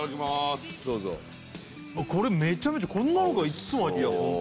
どうぞこれめちゃめちゃこんなのが５つも入ってんだよ